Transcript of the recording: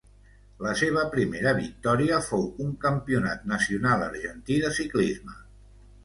La seva primera victòria fou un campionat nacional argentí de ciclisme.